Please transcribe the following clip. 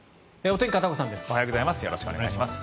おはようございます。